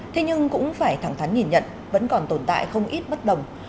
thế nhưng cũng phải thẳng thắn nhìn nhận vẫn còn tồn tại không ít bất đồng